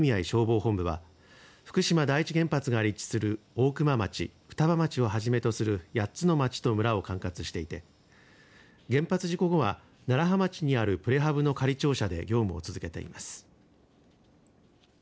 消防本部は福島第一原発が立地する大熊町双葉町をはじめとする８つの町と村を管轄していて原発事故後は楢葉町にあるプレハブの仮庁舎で業務を続けています。